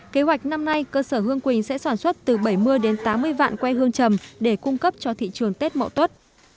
kế hoạch năm nay cơ sở hương quỳnh sẽ sản xuất từ bảy mươi đến tám mươi vạn quê hương trầm để cung cấp cho thị trường tết mậu tuất